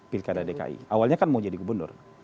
pilkada dki awalnya kan mau jadi gubernur